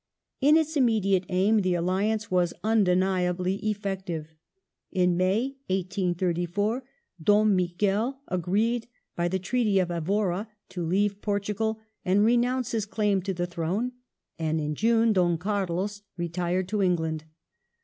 In its immediate aim the alliance was undeniably effective. In May, 1834, Dom Miguel agreed, by the Treaty of Evora, to leave Portu gal and renounce his claim to the throne, and in June Don Carlos retired to England.